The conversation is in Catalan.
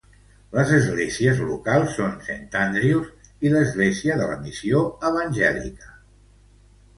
Les esglésies locals són Saint Andrews i l'església de la missió evangèlica.